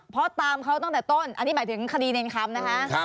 เพราะตามเขาตั้งแต่ต้นอันนี้หมายถึงคดีเนรคำนะคะ